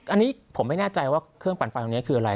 อันนี้ผมไม่แน่ใจว่าเครื่องปั่นไฟตรงนี้คืออะไร